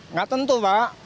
nggak tentu pak